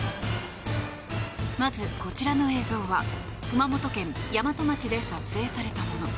まず、こちらの映像は熊本県山都町で撮影されたもの。